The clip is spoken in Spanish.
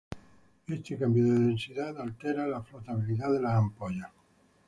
Este cambio de densidad altera la flotabilidad de las ampollas.